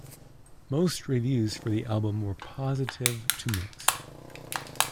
Most reviews for the album were positive to mixed.